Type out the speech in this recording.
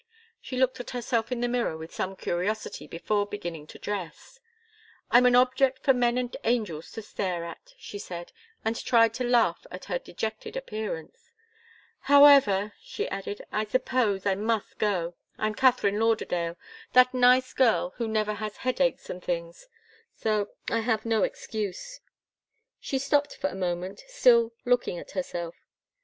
She looked at herself in the mirror with some curiosity, before beginning to dress. "I'm an object for men and angels to stare at!" she said, and tried to laugh at her dejected appearance. "However," she added, "I suppose I must go. I'm Katharine Lauderdale 'that nice girl who never has headaches and things' so I have no excuse." She stopped for a moment, still looking at herself.